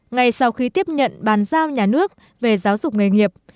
ngay sau khi tiếp nhận bàn giao nhà nước về giáo dục nghề nghiệp